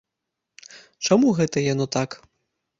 Чаму гэта яно так?